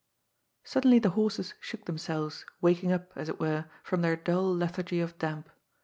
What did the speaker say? Suddenly the horses shook themselves, waking np, as it were, from their dull lethargy of damp.